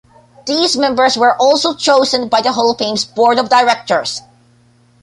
These members were also chosen by the Hall of Fame's Board of Directors.